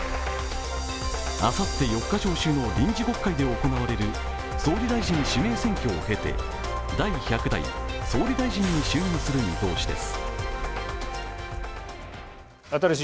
あさって４日召集の臨時国会で行われる総理大臣指名選挙を経て第１００代総理大臣に就任する見通しです。